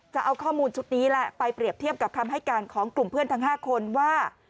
จะเอาข้อมูลชุดนี้แหละไปเปรียบเทียบกับคำให้การของกลุ่มเพื่อนทั้ง๕คนว่า